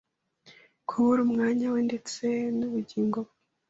kubura umwanya we ndetse n’ubugingo bwe?